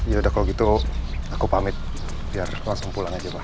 yaudah kalau gitu aku pamit biar langsung pulang aja pak